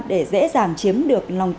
để dễ dàng chiếm được lòng chống